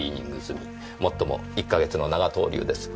もっとも１か月の長逗留です。